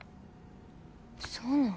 そうなん？